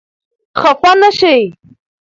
خفه نه شئ !